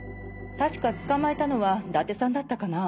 確か捕まえたのは伊達さんだったかな？